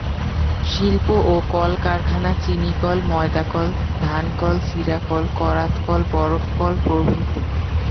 শিল্প ও কলকারখানা চিনিকল, ময়দাকল, ধানকল, চিড়াকল, করাতকল, বরফকল প্রভৃতি।